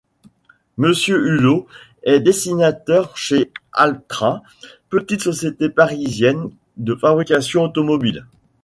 Monsieur Hulot est dessinateur chez Altra, petite société parisienne de fabrication automobile.